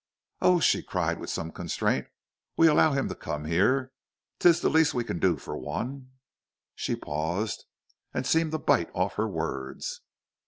"Oh," she cried, with some constraint, "we allow him to come here. 'Tis the least we can do for one " She paused, and seemed to bite off her words.